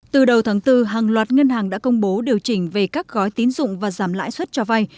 từ đầu tháng bốn hàng loạt ngân hàng đã công bố điều chỉnh về các gói tín dụng và giảm lãi suất cho vay